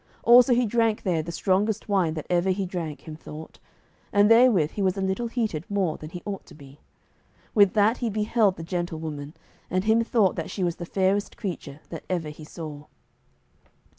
Also he drank there the strongest wine that ever he drank, him thought, and therewith he was a little heated more than he ought to be. With that he beheld the gentlewoman, and him thought that she was the fairest creature that ever he saw.